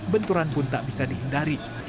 benturan pun tak bisa dihindari